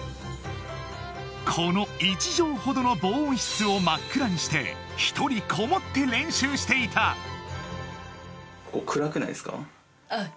この１畳ほどの防音室を真っ暗にして一人こもって練習していたあっ